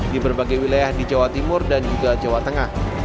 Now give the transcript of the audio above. di berbagai wilayah di jawa timur dan juga jawa tengah